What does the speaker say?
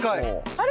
あれ？